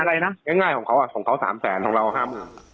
อะไรนะง่ายของเขาอะของเขาสามแสนของเราห้าม